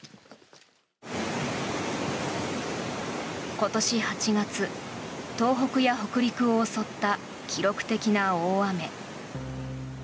今年８月、東北や北陸を襲った記録的な大雨。